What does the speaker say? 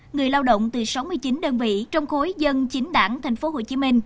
người lao động từ sáu mươi chín đơn vị trong khối dân chính đảng tp hcm